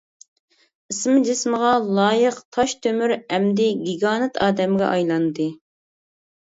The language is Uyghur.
ئىسمى جىسمىغا لايىق تاشتۆمۈر ئەمدى گىگانت ئادەمگە ئايلاندى.